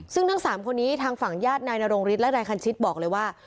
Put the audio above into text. ซึ่งทั้ง๓คนนี้ทางฝั่งญาตินายนรงฤทธิและนายคันชิตบอกเลยว่า